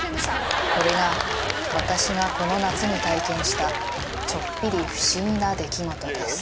これが私がこの夏に体験したちょっぴり不思議な出来事です